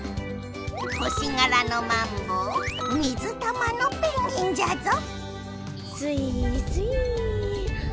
星がらのマンボウ水玉のペンギンじゃぞスイースイー。